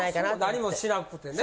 何もしなくてね。